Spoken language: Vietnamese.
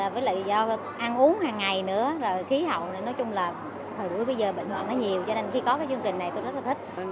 với lại do ăn uống hàng ngày nữa khí hậu nói chung là hồi bữa bây giờ bệnh hoạn nó nhiều cho nên khi có cái chương trình này tôi rất là thích